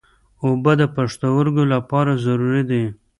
اوبه د پښتورګو لپاره ضروري دي.